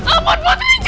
amat putri jangan putri